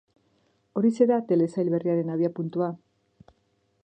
Horixe da telesail berriaren abiapuntua.